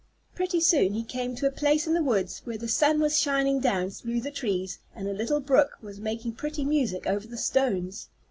Pretty soon he came to a place in the woods where the sun was shining down through the trees, and a little brook was making pretty music over the stones.